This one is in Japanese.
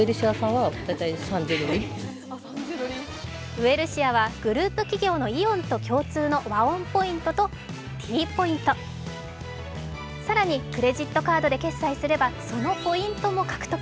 ウエルシアはグループ企業のイ大ント共通のＷＡＯＮポイントとＴポイント、更にクレジットカードで決済すればそのポイントも獲得。